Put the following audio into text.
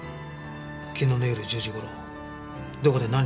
昨日の夜１０時頃どこで何してた？